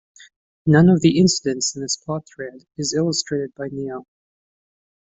None of the incidents in this plot thread is illustrated by Neill.